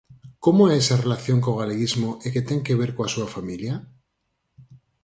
Como é esa relación co galeguismo e que ten que ver coa súa familia?